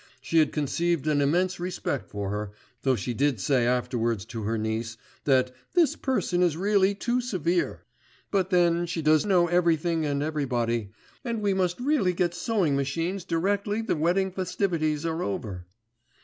She had conceived an immense respect for her, though she did say afterwards to her niece, that 'this person is really too severe; but then she does know everything and everybody; and we must really get sewing machines directly the wedding festivities are over.